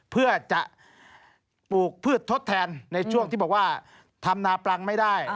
เพื่อจะปลูกพืชทดแทนในช่วงที่บอกว่าทำนาปรังไม่ได้